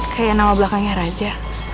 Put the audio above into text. kayak nama belakangnya raja